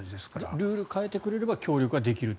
ルールを変えてくれれば協力はできると。